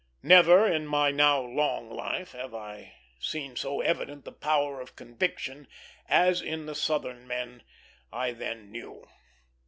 Never in my now long life have I seen so evident the power of conviction as in the Southern men I then knew.